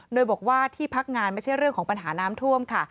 โดยบอกว่าที่พักงานไม่ใช่เรื่องของปัญหาน้ำท่วมค่ะ